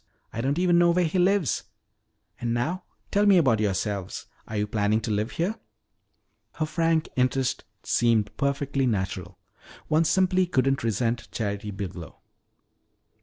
I don't even know where he lives. And now, tell me about yourselves. Are you planning to live here?" Her frank interest seemed perfectly natural. One simply couldn't resent Charity Biglow.